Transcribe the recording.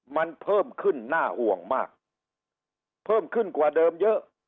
มันเพิ่มขึ้นน่าอ่วงมากเพิ่มขึ้นกว่าเดิมเยอะ